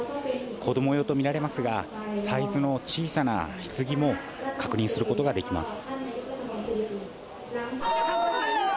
子ども用と見られますが、サイズの小さなひつぎも確認することができます。